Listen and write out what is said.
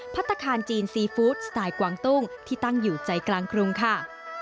พัฒนาคารจีนซีฟู้ดสไตล์กวางตุ้งที่ตั้งอยู่ใจกลางกรุงค่ะ